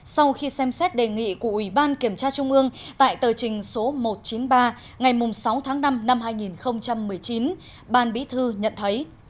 sau khi xem xét đề nghị của ủy ban kiểm tra trung ương tại tờ trình số một trăm chín mươi ba ngày sáu tháng năm năm hai nghìn một mươi chín ban bí thư nhận thấy